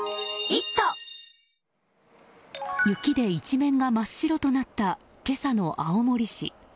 雪で一面が真っ白となった今朝の青森市。